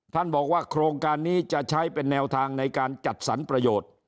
บอกว่าโครงการนี้จะใช้เป็นแนวทางในการจัดสรรประโยชน์